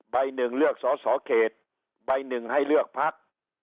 หนึ่งเลือกสอสอเขตใบหนึ่งให้เลือกพัก